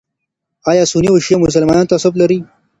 ایا سني او شیعه مسلمانان تعصب لري؟